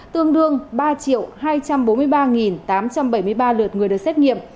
tương đương ba hai trăm bốn mươi ba tám trăm bảy mươi ba lượt người được xét nghiệm